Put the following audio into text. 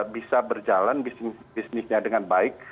bisa berjalan bisnisnya dengan baik